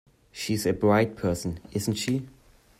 She's a bright person, isn't she?